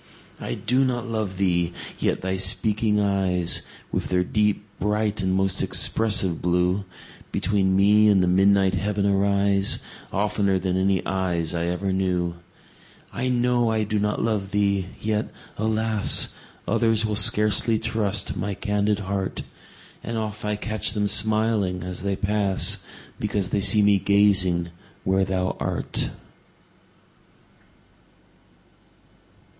I do not love thee!—yet thy speaking eyes, With their deep, bright, and most expressive blue, Between me and the midnight heaven arise, 15 Oftener than any eyes I ever knew. I know I do not love thee! yet, alas! Others will scarcely trust my candid heart; And oft I catch them smiling as they pass, Because they see me gazing where thou art.